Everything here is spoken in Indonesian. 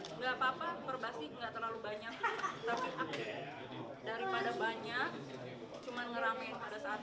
tidak apa apa perbasi tidak terlalu banyak tapi aktif daripada banyak cuma merame pada saat muda